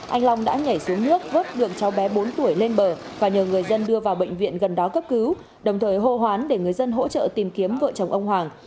anh long đã nhảy xuống nước vớt được cháu bé bốn tuổi lên bờ và nhờ người dân đưa vào bệnh viện gần đó cấp cứu đồng thời hô hoán để người dân hỗ trợ tìm kiếm vợ chồng ông hoàng